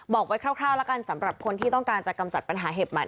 บอกไว้คร่าวแล้วกันสำหรับคนที่ต้องการจะกำจัดปัญหาเห็บใหม่